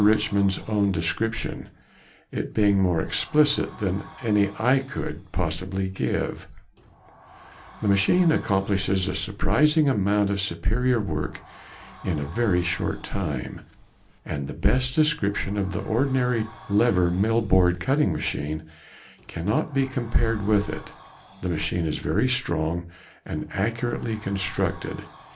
Richmond's own description, it being more explicit than any I could |54| possibly give: "The machine accomplishes a surprising amount of superior work in a very short time, and the best description of the ordinary lever mill board cutting machine cannot be compared with it. The machine is very strongly and accurately constructed.